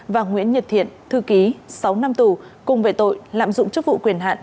và nguyễn nhật thiện thư ký sáu năm tù cùng về tội lạm dụng chức vụ quyền hạn